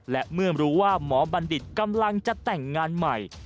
และเมื่อรู้ว่าหมอบัณฑิตกำลังจะแต่งงานใหม่